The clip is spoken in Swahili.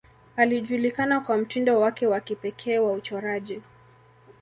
Alijulikana kwa mtindo wake wa kipekee wa uchoraji.